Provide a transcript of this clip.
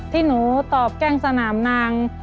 ที่หนูตอบแกล้งสนามนาง